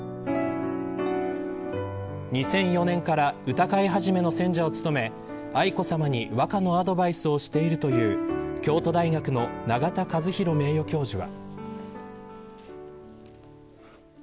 ２００４年から歌会始の選者を務め愛子さまに和歌のアドバイスをしているという京都大学の永田和宏名誉教授は。